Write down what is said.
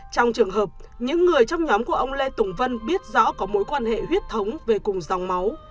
trong trường hợp những người trong nhóm của ông lê tùng vân biết rõ có mối quan hệ huyết thống về cùng dòng máu